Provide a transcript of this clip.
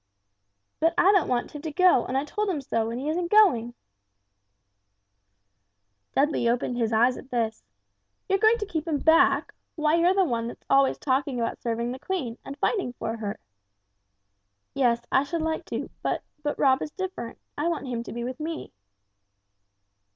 "But I don't want him to go, and I told him so, and he isn't going!" Dudley opened his eyes at this. "You going to keep him back? Why you're the one that's always talking about serving the Queen, and fighting for her!" "Yes, I should like to, but but Rob is different. I want him to be with me."